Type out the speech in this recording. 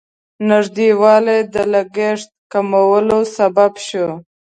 نږدېوالی د لګښت کمولو سبب شو.